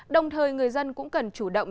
đồng thời người dân cũng cần chủ động